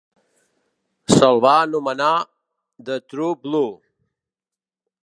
Se'l va anomenar 'The True Blue'.